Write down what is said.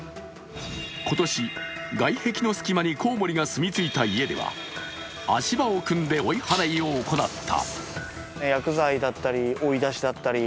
今年、外壁の隙間にコウモリが住み着いた家では足場を組んで追い払いを行った。